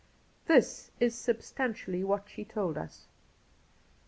This is substantially what she told us.